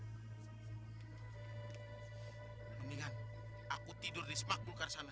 mendingan aku tidur di smak bulkar sana